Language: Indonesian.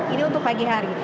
ini untuk pagi hari